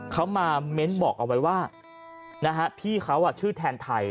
เขามาเม้นบอกเอาไว้ว่าพี่เขาชื่อแทนไทย